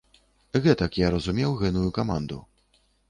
Гэтак я разумеў гэную каманду.